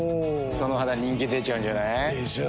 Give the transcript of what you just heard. その肌人気出ちゃうんじゃない？でしょう。